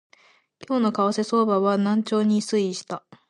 今日の為替相場は軟調に推移した